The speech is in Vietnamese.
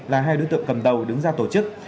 là hai đối tượng cầm đầu đứng ra tổ chức